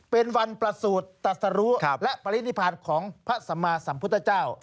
เป็นวันประสูจน์ตัดสรุและปรินิพันธ์ของพระสมาสัมพุทธเจ้า